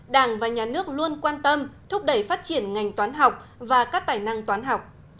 đảng và nhà nước luôn quan tâm thúc đẩy phát triển ngành toán học và các tài năng toán học